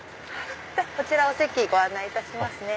こちらお席ご案内いたしますね。